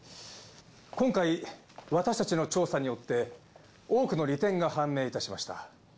今回私たちの調査によって多くの利点が判明いたしました。